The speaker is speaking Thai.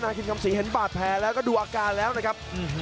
คิมคำศรีเห็นบาดแผลแล้วก็ดูอาการแล้วนะครับ